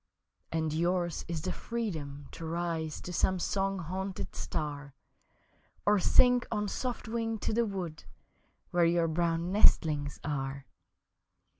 And yours is the freedom to rise To some song haunted star Or sink on soft wing to the wood Where your brown nestlings are.